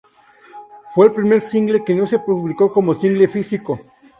Fue el primer single que no se publicó como single físico.